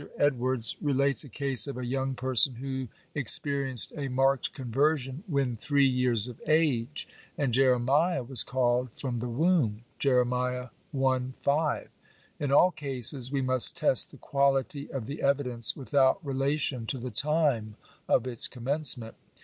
Edwards relates a case of a young person who experienced a marked conversion when three years of age, and Jeremiah was called from the womb. (Jeremiah i. 5.) In all cases we must test the quality of the evidence without relation to the time of its commencement.